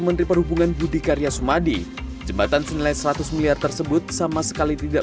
menteri perhubungan budi karya sumadi jembatan senilai seratus miliar tersebut sama sekali tidak